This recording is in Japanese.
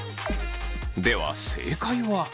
では正解は。